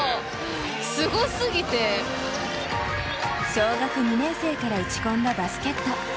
小学２年生から打ち込んだバスケット。